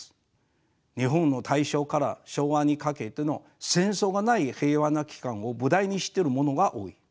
日本の大正から昭和にかけての戦争がない平和な期間を舞台にしてるものが多い。